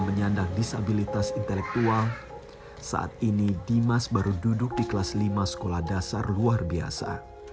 menyandang disabilitas intelektual saat ini dimas baru duduk di kelas lima sekolah dasar luar biasa